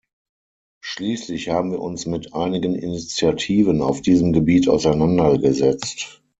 Schließlich haben wir uns mit einigen Initiativen auf diesem Gebiet auseinandergesetzt.